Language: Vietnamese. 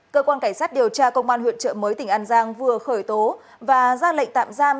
cơ quan cảnh sát điều tra công an huyện trợ mới tỉnh an giang vừa khởi tố và ra lệnh tạm giam